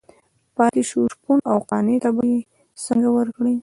پاتې شو شپون او قانع ته به یې څنګه ورکړي.